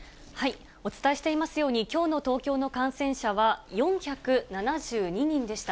お伝えしていますように、きょうの東京の感染者は４７２人でした。